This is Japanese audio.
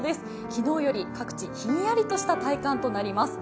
昨日より各地、ひんやりとした体感となります。